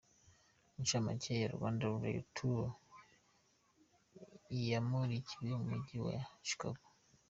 Icamake ya ’’Rwanda the Royal Tour " yamurikiwe mu Mujyi wa Chicago}.